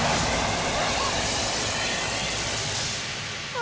あ。